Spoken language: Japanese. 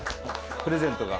プレゼントが。